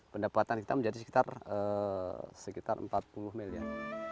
pendapatan kita menjadi sekitar empat puluh miliar